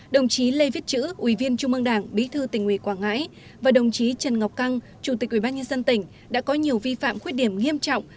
hai đồng chí lê viết chữ ubkt bí thư tỉnh ubkt và đồng chí trần ngọc căng chủ tịch ubkt đã có nhiều vi phạm khuyết điểm nghiêm trọng